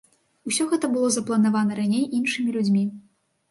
Усё гэта было запланавана раней іншымі людзьмі.